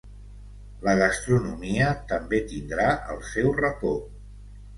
La gastronomia també tindrà el seu racó.